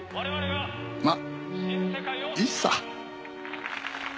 まあいいさ。